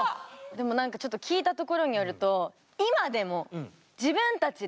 でも何かちょっと聞いたところによるとえっ。